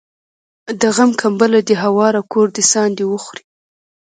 د غم کمبله دي هواره کور دي ساندي وخوري